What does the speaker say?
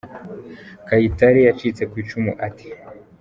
Kayitare yacitse ku icumu ate ?